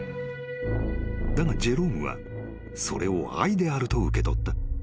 ［だがジェロームはそれを愛であると受け取った］